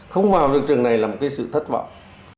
không vào những trường này là một cái sự thất vọng